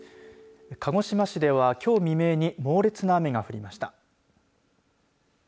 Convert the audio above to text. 鹿児島市では、きょう未明に猛烈な雨が降りました。